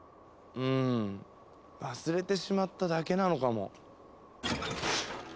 うん忘れてしまっただけなのかも。